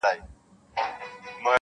څوک حاجیان دي څوک پیران څوک عالمان دي,